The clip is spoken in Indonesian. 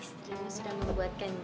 istrimu sudah membuatkan juice kesukaan